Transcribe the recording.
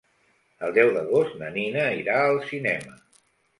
El deu d'agost na Nina irà al cinema.